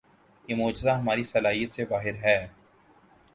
یہ معجزہ ہماری صلاحیت سے باہر ہے۔